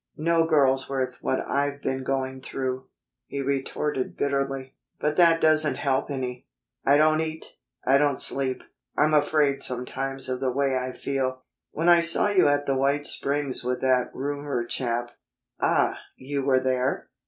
"No girl's worth what I've been going through," he retorted bitterly. "But that doesn't help any. I don't eat; I don't sleep I'm afraid sometimes of the way I feel. When I saw you at the White Springs with that roomer chap " "Ah! You were there!"